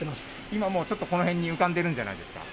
今もう、ちょっとこの辺に浮かんでるんじゃないですか？